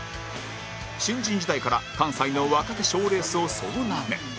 新人時代から関西の若手賞レースを総なめ